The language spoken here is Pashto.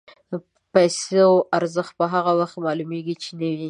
د پیسو ارزښت په هغه وخت کې معلومېږي چې نه وي.